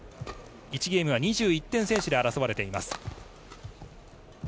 １ゲームは２１点先取で争われています。